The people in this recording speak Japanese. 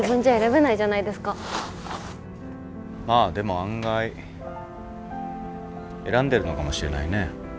まあでも案外選んでるのかもしれないね。